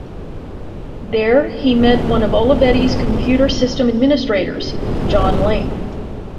There, he met one of Olivetti's computer system administrators, Jon Lane.